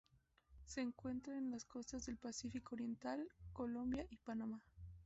Se encuentra en las costas del Pacífico oriental: Colombia y Panamá.